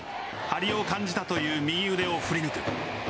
張りを感じたという右腕を振り抜く。